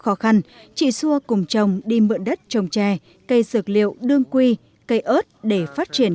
khó khăn chị xua cùng chồng đi mượn đất trồng trè cây dược liệu đương quy cây ớt để phát triển